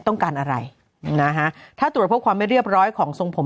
ต้องการอะไรนะฮะถ้าตรวจพบความไม่เรียบร้อยของทรงผม